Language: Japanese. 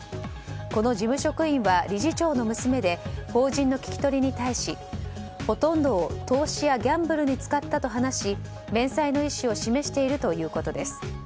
この事務職員は理事長の娘で法人の聞き取りに対しほとんどを投資やギャンブルに使ったと話し弁済の意思を示しているということです。